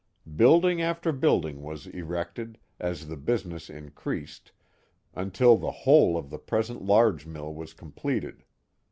Building after building was erected, as the business increased, until the whole of the present large mill was completed.